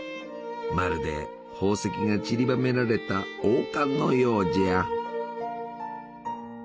まるで宝石がちりばめられた王冠のようじゃ！